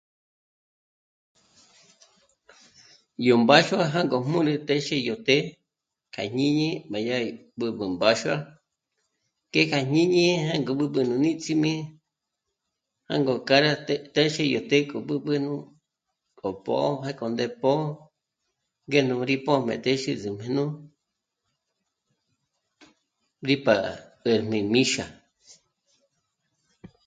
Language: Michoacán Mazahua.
Yo mbáxua jângo jmúne téxe yo të̌'ë k'a jñíñi má yá gí b'ǚb'ü mbáxua k'e já jñíñi jângo b'ǚb'ü nú nítsjimi jângo k'a ra té... téxe yo të̌'ë k'u b'ǚb'ü jnú k'o pǒ'o já k'o ndé pó'o nge nú rí pójme téxe ngé nú rí pǎ'a 'ér' mí míxa